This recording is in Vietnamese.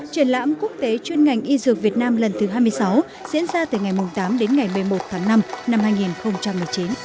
triển lãm quốc tế chuyên ngành y dược việt nam lần thứ hai mươi sáu diễn ra từ ngày tám đến ngày một mươi một tháng năm năm hai nghìn một mươi chín